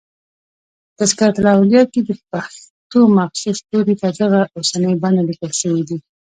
په" تذکرة الاولیاء" کښي دپښتو مخصوص توري په دغه اوسنۍ بڼه لیکل سوي دي.